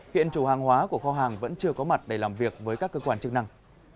hiện chủ hàng hóa của kho hàng vẫn chưa có mặt để làm việc với các cơ quan chức năng